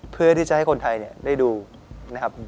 เพื่อที่จะให้คนไทยได้ดูนะครับ